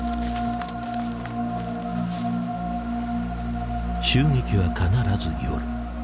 襲撃は必ず夜。